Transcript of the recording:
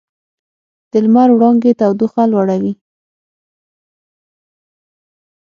د لمر وړانګې تودوخه لوړوي.